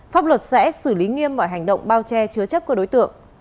pháp luật sẽ xử lý nghiêm mọi hành động bao che chứa chấp của đối tượng